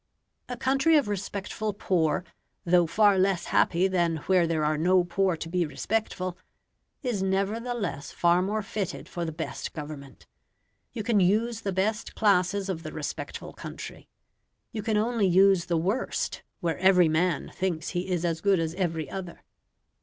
A country of respectful poor, though far less happy than where there are no poor to be respectful, is nevertheless far more fitted for the best government. You can use the best classes of the respectful country; you can only use the worst where every man thinks he is as good as every other.